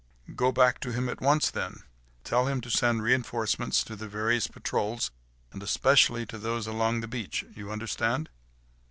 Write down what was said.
"Go back to him at once, then. Tell him to send reinforcements to the various patrols; and especially to those along the beach—you understand?"